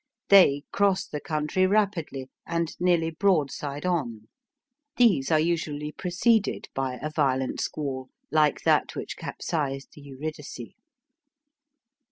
They cross the country rapidly, and nearly broadside on. These are usually preceded by a violent squall, like that which capsized the Eurydice.